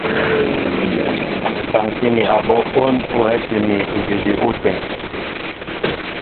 Kaŋkí mi abɔ́ kwón ú hɛ́ti mi idʉdʉ ôteŋ.